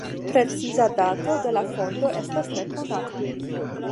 Preciza dato de la fondo estas nekonata.